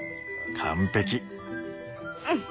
完璧。